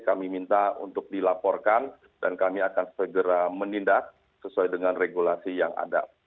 kami minta untuk dilaporkan dan kami akan segera menindak sesuai dengan regulasi yang ada